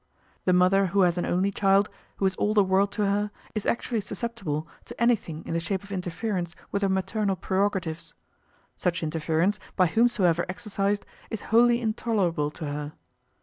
The mother who has an only child, who is all the world to her, is actually susceptible to anything in the shape of interference with her maternal prerogatives. Such interference, by whomsoever exercised, is wholly intolerable to her.